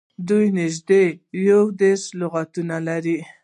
دوی نږدې یو دېرش لغاتونه یې لرل.